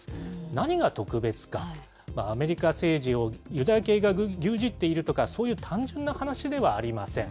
何が特別か、アメリカ政治をユダヤ系がぎゅうじっているとか、そういう単純な話ではありません。